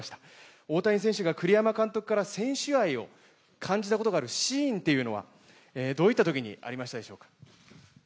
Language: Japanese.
大谷選手が栗山監督から選手愛を感じたことがあるシーンというのは、どういったときにありましたでしょうか？